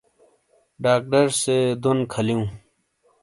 ڈاکڈر سے دون کھلیوں